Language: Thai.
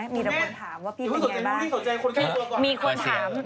มีคนถามว่าพี่เป็นอย่างไรบ้าง